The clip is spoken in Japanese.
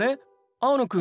青野くん。